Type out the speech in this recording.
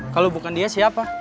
kalau bukan dia siapa